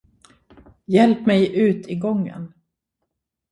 Hjälp mig ut i gången.